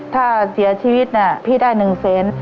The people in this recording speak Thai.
ถ้าเสียชีวิตพี่ได้๑แสน